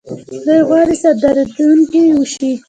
دوی غواړي صادرونکي شي.